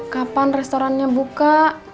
kapan restorannya buka